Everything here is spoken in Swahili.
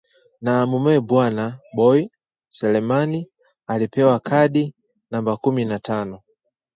na mumewe bwana Boi Selemani alipewa kadi namba kumi na tano